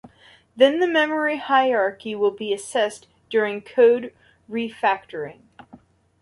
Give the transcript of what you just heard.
Then the memory hierarchy will be assessed during code refactoring.